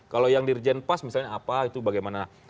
kalau yang dirjen pas misalnya apa itu bagaimana